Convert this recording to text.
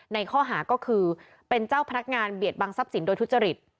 ในข้อหาก็คือเป็นเจ้าพนักงานเบียดบังทรัพย์สินโดยทุจริต